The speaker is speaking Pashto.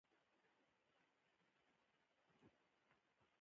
د مرغاب سیند په بادغیس کې دی